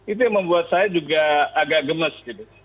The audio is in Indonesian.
itu yang membuat saya juga agak gemes gitu